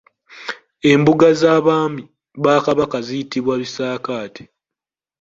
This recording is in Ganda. Embuga z’abaami ba Kabaka ziyitibwa bisaakaate.